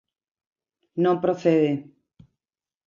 Non procede.